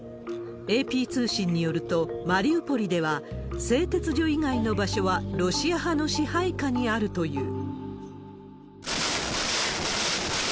ＡＰ通信によると、マリウポリでは、製鉄所以外の場所はロシア派の支配下にあるという。